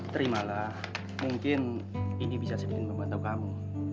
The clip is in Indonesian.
terimalah mungkin ini bisa sedikit membantu kamu